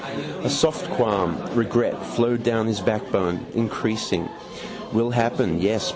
A soft qualm, regret, flowed down his backbone, increasing. Will happen, yes.